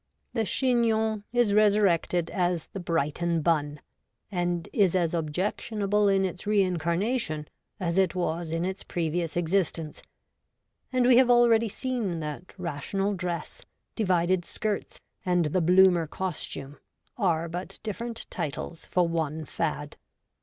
The chignon is resurrected as the ' Brighton Bun,' and is as objectionable in its reincarnation as it was in its previous existence ; and we have already seen that Rational Dress, Divided Skirts, and the Bloomer costume are but different titles for one fad.